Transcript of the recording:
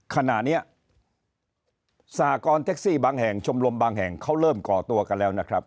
ขณะนี้สหกรณ์เท็กซี่บางแห่งชมรมบางแห่งเขาเริ่มก่อตัวกันแล้วนะครับ